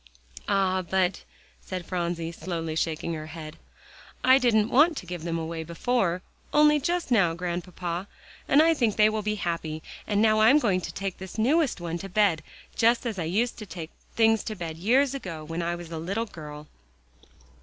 "Ah, but," said Phronsie, slowly shaking her head, "I didn't want to give them away before; only just now, Grandpapa, and I think they will be happy. And now I'm going to take this newest one to bed, just as I used to take things to bed years ago, when I was a little girl."